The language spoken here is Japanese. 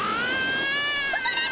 すばらしい！